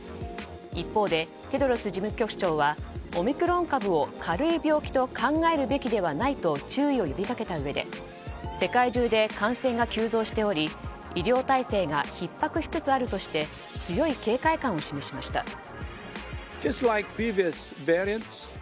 一方でテドロス事務局長はオミクロン株を軽い病気と考えるべきではないと注意を呼びかけたうえで世界中で感染が急増しており医療体制がひっ迫しつつあるとして強い警戒感を示しました。